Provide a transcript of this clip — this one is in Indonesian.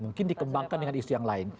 mungkin dikembangkan dengan isu yang lain